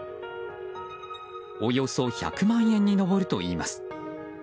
およそ１００万円に上るといいます。